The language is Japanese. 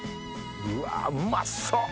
うわうまそ！